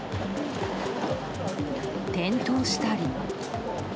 転倒したり。